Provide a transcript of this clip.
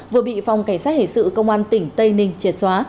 vừa bị phòng cảnh sát hình sự công an tỉnh tây ninh triệt xóa